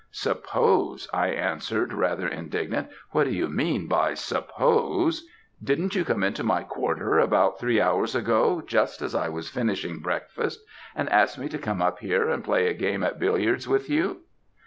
"'Suppose!' I answered, rather indignant; 'what do you mean by suppose? Didn't you come into my quarter about three hours ago, just as I was finishing breakfast, and ask me to come up here and play a game at billiards with you?'